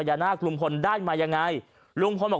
ท่านพรุ่งนี้ไม่แน่ครับ